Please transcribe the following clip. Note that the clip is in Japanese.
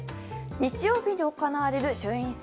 日曜日に行われる衆院選。